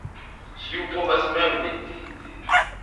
Ĉiu povas mem decidi.